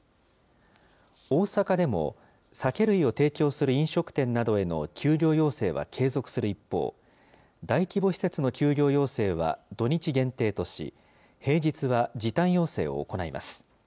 大阪でも、酒類を提供する飲食店などへの休業要請は継続する一方、大規模施設の休業要請は土日限定とし、平日は時短要請を行います。